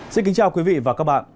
xin kính chào quý vị và các bạn